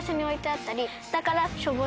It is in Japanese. だから。